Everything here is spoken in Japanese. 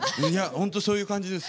本当にそういう感じです。